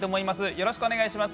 よろしくお願いします！